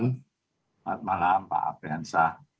selamat malam pak afrian syah